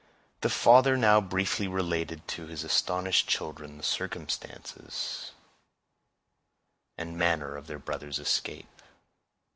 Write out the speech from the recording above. The father now briefly related to his astonished children the circumstance and manner of their brother's escape.